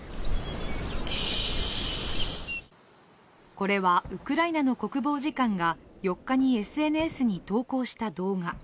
これは、ウクライナの国防次官が４日にＳＮＳに投稿した動画。